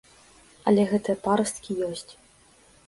Але гэтыя парасткі ёсць.